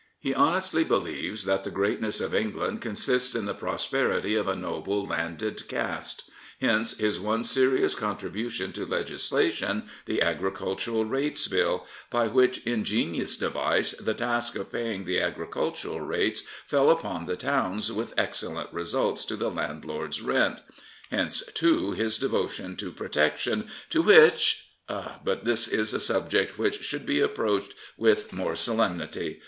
He honestly believes that the greatness of England consists in the prosperity of a noble, landed caste. Hence his one serious contribution to legislation, the Agricultural Rates Bill, by which ingenious device the task of pay ing the agricultural rates fell upon the towns with excellent results to the landlord's rent. Hence, too, his devotion to Protection, to which But this is a subject which should be approached with more solemnity.